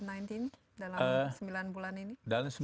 dalam sembilan bulan ini